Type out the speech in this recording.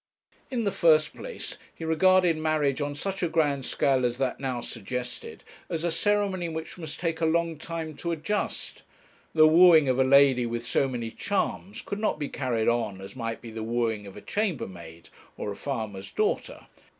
In the first place, he regarded marriage on such a grand scale as that now suggested, as a ceremony which must take a long time to adjust; the wooing of a lady with so many charms could not be carried on as might be the wooing of a chambermaid or a farmer's daughter.